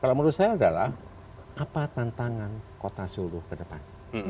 kalau menurut saya adalah apa tantangan kota solo ke depan